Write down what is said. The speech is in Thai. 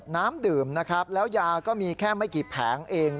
น้ำเปล่ามีน้ำเปล่าอยู่